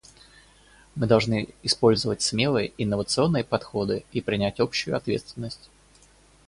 Мы должны использовать смелые, инновационные подходы и принять общую ответственность.